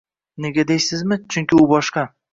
Nega deysizmi, chunki u boshqa.